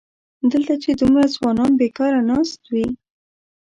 دلته چې دومره ځوانان بېکاره ناست وي.